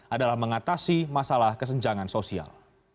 adalah mengatasi masalah kesenjangan sosial